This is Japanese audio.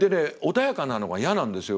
穏やかなのが嫌なんですよ